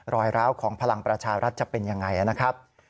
รอยร้าวของพลังประชารัฐจะเป็นยังไงนะครับ